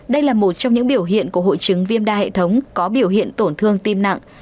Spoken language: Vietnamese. đây là một trong những biểu hiện của hội chứng viêm đa hệ thống có biểu hiện tổn thương tim nặng